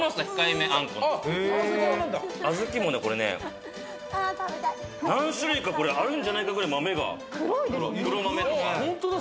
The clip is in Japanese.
目、あんこのあずきもね、これね、何種類かこれあるんじゃないかくらい豆が、黒豆とか。